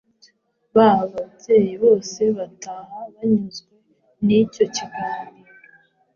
Ba babyeyi bose bataha banyuzwe n’icyo kiganiro